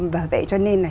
và vậy cho nên là